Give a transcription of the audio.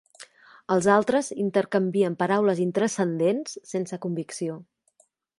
Els altres intercanvien paraules intranscendents sense convicció.